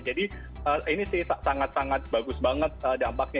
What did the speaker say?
jadi ini sih sangat sangat bagus banget dampaknya